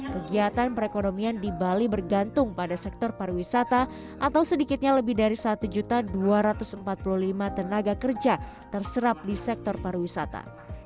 kegiatan perekonomian di bali bergantung pada sektor pariwisata atau sedikitnya lebih dari satu dua ratus empat puluh lima tenaga kerja terserap di sektor pariwisata